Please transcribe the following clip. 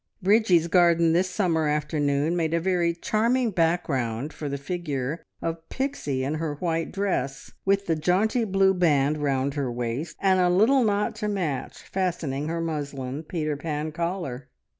Bridgie's garden this summer afternoon made a very charming background for the figure of Pixie in her white dress, with the jaunty blue band round her waist, and a little knot to match fastening her muslin Peter Pan collar.